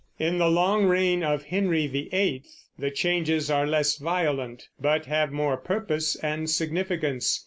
In the long reign of Henry VIII the changes are less violent, but have more purpose and significance.